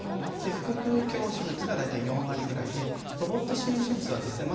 腹腔鏡手術が大体４割ぐらいでロボット支援手術はですね